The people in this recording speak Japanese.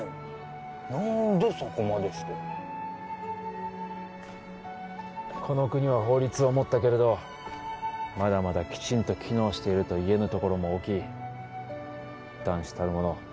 何でそこまでしてこの国は法律を持ったけれどまだまだきちんと機能していると言えぬところも大きい男子たるもの